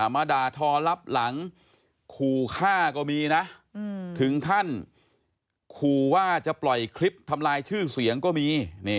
มาด่าทอรับหลังขู่ฆ่าก็มีนะถึงขั้นขู่ว่าจะปล่อยคลิปทำลายชื่อเสียงก็มี